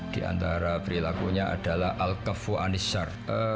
di antara perilakunya adalah al kafu'anisya'r